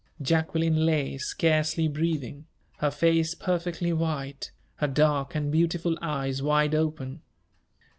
Jacqueline lay, scarcely breathing, her face perfectly white, her dark and beautiful eyes wide open.